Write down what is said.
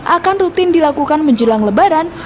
akan rutin dilakukan menjelang lebaran